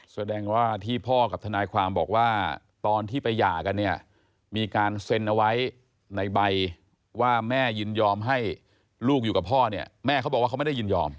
แสดงว่าที่พ่อกับทนายความบอกว่าตอนที่ไปหย่ากันเนี่ยมีการเซ็นเอาไว้ในใบว่าแม่ยินยอมให้ลูกอยู่กับพ่อเนี่ยแม่เขาบอกว่าเขาไม่ได้ยินยอม